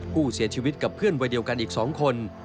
ผู้เสียชีวิตกับเพื่อนวัยเดียวกันอีก๒คน